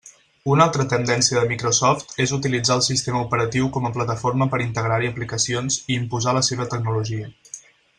Una altra tendència de Microsoft és utilitzar el sistema operatiu com a plataforma per integrar-hi aplicacions i imposar la seva tecnologia.